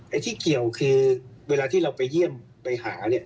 ที่เกี่ยวคือเวลาที่เราไปเยี่ยมไปหาเนี่ย